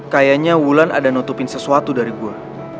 kayaknya wulan ada nutupin sesuatu dari gua